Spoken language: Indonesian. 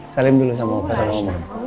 salim dulu sama pak salomon